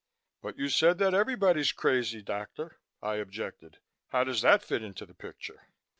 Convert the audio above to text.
"But you said that everybody's crazy, doctor," I objected. "How does that fit into the picture?"